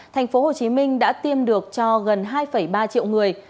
tp hcm đã tiêm được cho gần hai ba triệu người